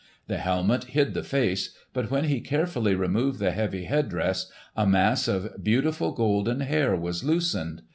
The helmet hid the face, but when he carefully removed the heavy head dress a mass of beautiful golden hair was loosened.